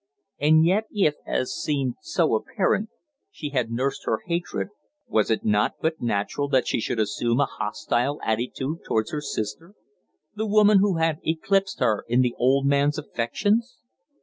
And yet if, as seemed so apparent, she had nursed her hatred, was it not but natural that she should assume a hostile attitude towards her sister the woman who had eclipsed her in the old man's affections?